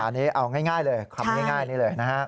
อันนี้เอาง่ายเลยคำง่ายนี้เลยนะฮะ